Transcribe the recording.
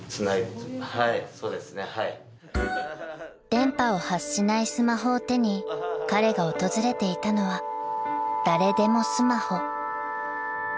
［電波を発しないスマホを手に彼が訪れていたのは誰でもスマホ］